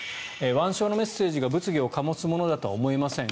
腕章のメッセージが物議を醸すものだとは思えません